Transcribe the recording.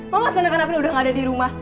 mama senang karena april udah gak ada di rumah